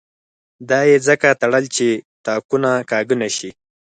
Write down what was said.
دا یې ځکه تړل چې تاکونه کاږه نه شي.